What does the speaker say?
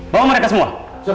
bawa mereka semua